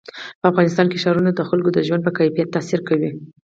په افغانستان کې ښارونه د خلکو د ژوند په کیفیت تاثیر کوي.